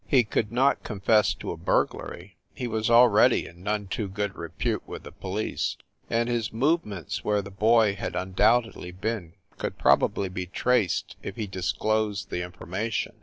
He could not confess to a burglary he was already in none too good repute with the police and his movements where the boy had undoubtedly been could probably be traced if he disclosed the inform ation.